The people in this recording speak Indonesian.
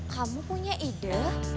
kamu punya ide